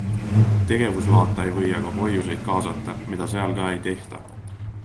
Tegevusloata ei või aga hoiuseid kaasata, mida seal ka ei tehta.